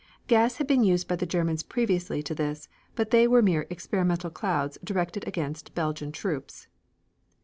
Gas had been used by the Germans previously to this, but they were mere experimental clouds directed against Belgian troops.